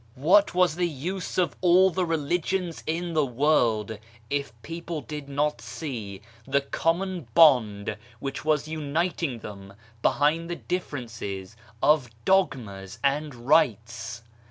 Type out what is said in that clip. What was the use of all the religions in the world if people did not see the common bond which was uniting them behind the differ ences of dogmas and rites